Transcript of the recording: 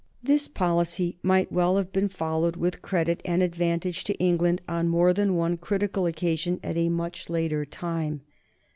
This policy might well have been followed with credit and advantage to England on more than one critical occasion at a much later time.